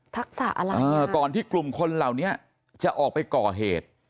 ทักษะอะไรอ่ะเออตอนที่กลุ่มคนเหล้านี้จะออกไปก่อเหตุ